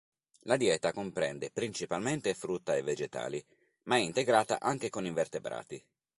La dieta comprende principalmente frutta e vegetali, ma è integrata anche con invertebrati.